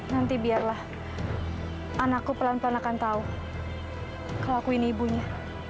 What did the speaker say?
nanti biarlah anakku pelan pelan akan tahu kalau akuin ibunya